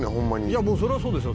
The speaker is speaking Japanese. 「いやもうそれはそうですよ。